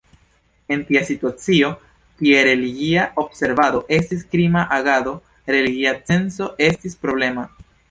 En tia situacio, kie religia observado estis krima agado, religia censo estis problema.